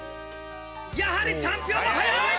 やはりチャンピオンは早い！